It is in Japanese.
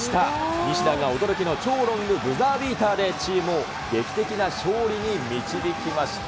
西田が驚きの超ロングブザービーターでチームを劇的な勝利に導きました。